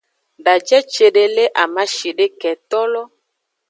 Daje cede le amashideketolo.